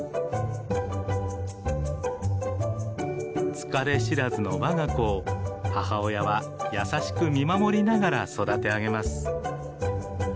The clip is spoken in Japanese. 疲れ知らずのわが子を母親は優しく見守りながら育て上げます。